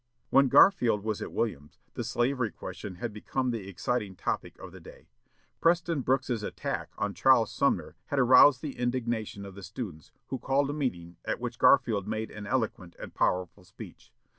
When Garfield was at Williams, the slavery question had become the exciting topic of the day. Preston Brooks' attack on Charles Sumner had aroused the indignation of the students, who called a meeting, at which Garfield made an eloquent and powerful speech.